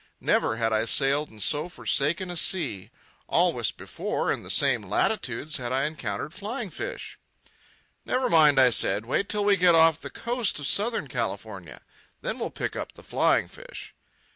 Never had I sailed on so forsaken a sea. Always, before, in the same latitudes, had I encountered flying fish. "Never mind," I said. "Wait till we get off the coast of Southern California. Then we'll pick up the flying fish."